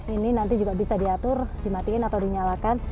ini nanti juga bisa diatur dimatiin atau dinyalakan